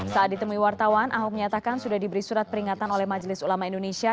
saat ditemui wartawan ahok menyatakan sudah diberi surat peringatan oleh majelis ulama indonesia